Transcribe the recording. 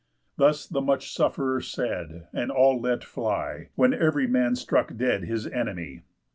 Thus the much suff'rer said; and all let fly, When ev'ry man struck dead his enemy.